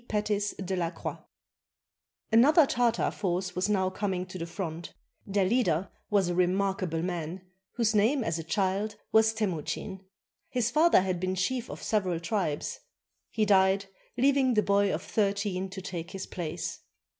PETIS DE LA CROIX [Another Tartar force was now coming to the front. Their leader was a remarkable man whose name as a child was Temuchin. His father had been chief of several tribes. He died, leaving the boy of thirteen to take his place.